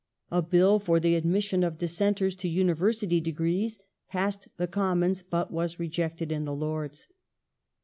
A Bill for the admission of Dissenters to University Degrees passed the Commons but was rejected in the Lords.